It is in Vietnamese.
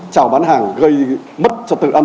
chào bán hàng gây mất cho tự ăn